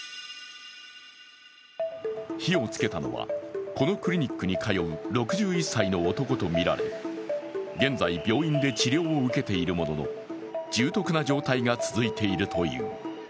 火をつけたのは、このクリニックに通う６１歳の男とみられ現在、病院で治療を受けているものの重篤な状態が続いているという。